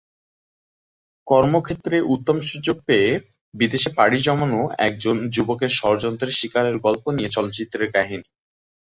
কর্মক্ষেত্রে উত্তম সুযোগ পেয়ে বিদেশে পাড়ি জমানো একজন যুবকের ষড়যন্ত্রের শিকারের গল্প নিয়ে চলচ্চিত্রের কাহিনি।